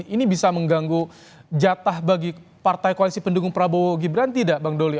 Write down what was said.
ini bisa mengganggu jatah bagi partai koalisi pendukung prabowo gibran tidak bang doli